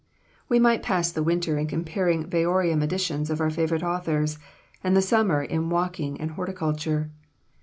We might pass the winter in comparing variorum editions of our favorite authors, and the summer in walking and horticulture.